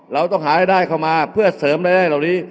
เราต้องหารายได้เข้ามาเพื่อเสริมรายได้เหล่านี้